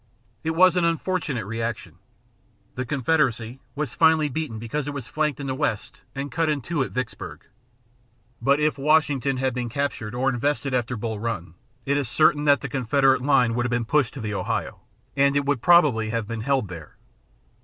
It was an unfortunate rejection. The Confederacy was finally beaten because it was flanked in the west and cut in two at Vicksburg. But if Washington had been captured or invested after Bull Run, it is certain that the Confederate line would have been pushed to the Ohio, and it would probably have been held there.